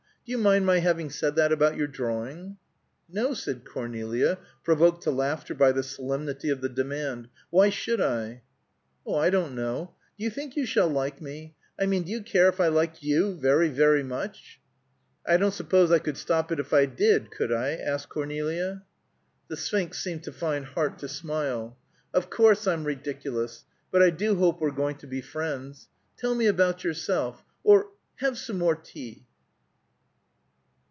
"Do you mind my having said that about your drawing?" "No!" said Cornelia, provoked to laughter by the solemnity of the demand. "Why should I?" "Oh, I don't know. Do you think you shall like me? I mean, do you care if I like you very, very much?" "I don't suppose I could stop it if I did, could I?" asked Cornelia. The Sphinx seemed to find heart to smile. "Of course, I'm ridiculous. But I do hope we're going to be friends. Tell me about yourself. Or, have some more tea!"